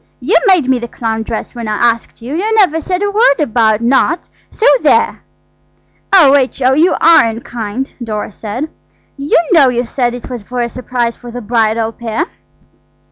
"You made me the clown dress when I asked you. You never said a word about not. So there!" "Oh, H.O., you are unkind!" Dora said. "You know you said it was for a surprise for the bridal pair."